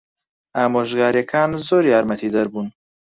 ئامۆژگارییەکانت زۆر یارمەتیدەر بوون.